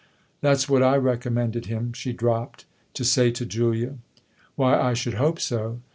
" That's what I recommended him," she dropped, " to say to Julia." " Why, I should hope so